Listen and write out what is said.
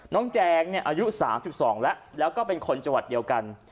น้องแจงเนี่ยอายุ๓๒แล้วแล้วก็เป็นคนจัวร์เดียวกัน